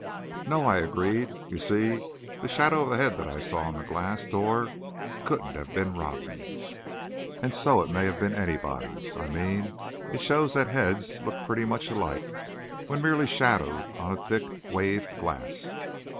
"No," I agreed. "You see, the shadow of the head that I saw on the glass door couldn't have been Rodman's." "And so it may have been anybody's. I mean, it shows that heads look pretty much alike, when merely shadowed on a thick, waved glass."